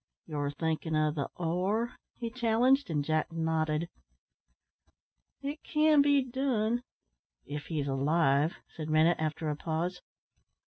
"You're thinking of the 'or'?" he challenged, and Jack nodded. "It can be done if he's alive," said Rennett after a pause.